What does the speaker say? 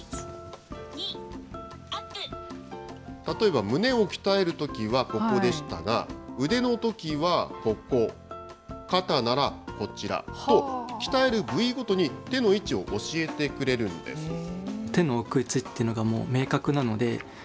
例えば、胸を鍛えるときはここでしたが、腕のときはここ、肩ならこちらと、鍛える部位ごとに、手の位置を教えてくれるんです。